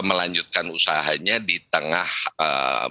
melanjutkan usahanya di tengah masyarakat